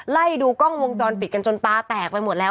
ไล่ดูกล้องวงจรปิดกันจนตาแตกไปหมดแล้ว